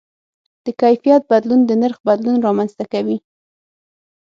د کیفیت بدلون د نرخ بدلون رامنځته کوي.